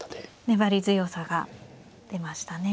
粘り強さが出ましたね。